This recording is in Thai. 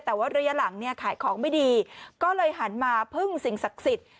แต่ว่าระยะหลังเนี่ยขายของไม่ดีก็เลยหันมาพึ่งสิ่งศักดิ์สิทธิ์